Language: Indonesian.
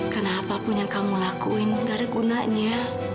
karena apapun yang kamu lakuin gak ada gunanya